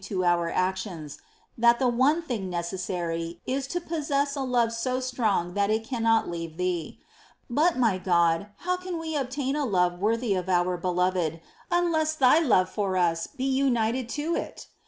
EXCLAMATIONS, 85 our actions— that " the one thing necessary " is to possess a love so strong that it cannot leave Thee. But, my God, how can we obtain a love worthy of our Beloved, unless Thy love for us be united to it